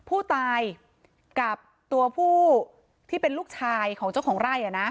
ผู้ตายกับตัวผู้ที่เป็นลูกชายของเจ้าของไร่